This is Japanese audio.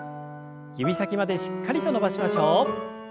指先までしっかりと伸ばしましょう。